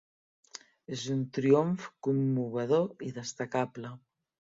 És un triomf commovedor i destacable.